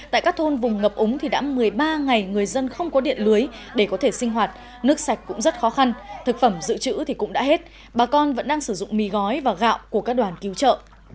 tại các thôn vùng ngập úng thì đã một mươi ba ngày người dân không có điện lưới để có thể sinh hoạt nước sạch cũng rất khó khăn thực phẩm dự trữ thì cũng đã hết bà con vẫn đang sử dụng mì gói và gạo của các đoàn cứu trợ